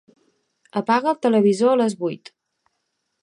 Apaga el televisor a les vuit.